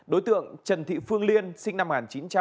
đối tượng trần thị phương liên sinh năm hai nghìn năm